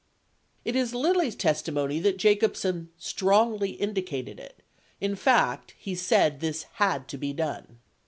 34 It is Lilly's testimony that Jacobsen "strongly indicated it. In fact, he said this had to be done."